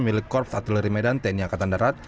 milik korps atleti medan tni angkatan darat